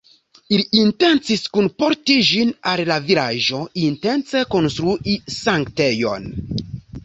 Ili intencis kunporti ĝin al la vilaĝo intence konstrui sanktejon.